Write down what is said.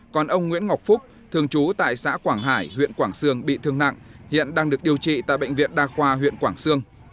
còn ông nguyễn ngọc phúc thường trú tại xã quảng hải huyện quảng sương bị thương nặng hiện đang được điều trị tại bệnh viện đa khoa huyện quảng sương